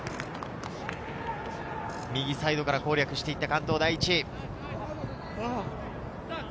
右サイドから攻略していった関東第一。